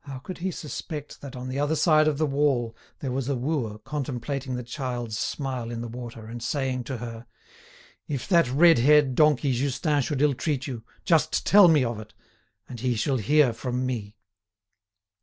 How could he suspect that, on the other side of the wall, there was a wooer contemplating the girl's smile in the water, and saying to her: "If that red haired donkey Justin should illtreat you, just tell me of it, and he shall hear from me!"